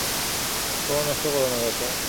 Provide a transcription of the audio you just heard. সময় নষ্ট কোরো না, চাচা।